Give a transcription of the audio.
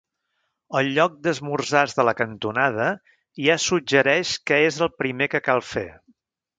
El lloc d'esmorzars de la cantonada ja suggereix què és el primer que cal fer.